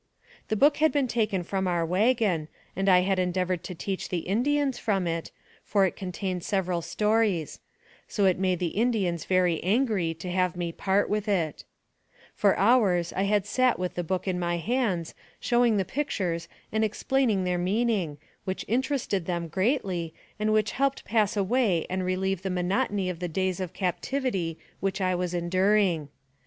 The book had been taken from our wagon, and I had endeavored to teach the Indians from it, for it contained several stories; so it made the Indians very angry to have me part with it. AMONG THE SIOUX INDIANS. 119 For hours I had sat with the book in my hands, showing them the pictures and explaining their mean ing, which interested them greatly, and which helped pass away and relieve the monotony of the days of captivity which I was enduring.